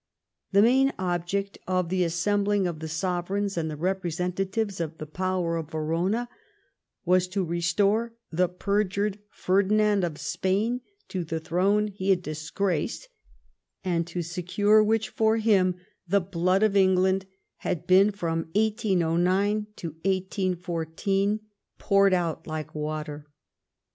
The main object of the assembhng of the sovereigns and the representatives of the powers at Verona* was to restore the perjured Ferdinand of Spain to the throne he had disjiraced, and to secure which for him the blood of England had been from 1801) to 1814 poured out like water.